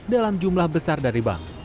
dalam jumlah besar dari bank